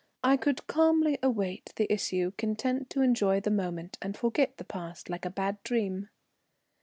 I could calmly await the issue, content to enjoy the moment and forget the past like a bad dream.